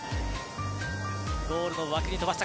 ゴールの脇に飛ばした